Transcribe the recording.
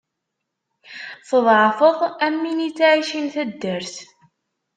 Tḍeɛfeḍ, am win ittɛicin taddart.